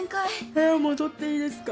部屋戻っていいですか？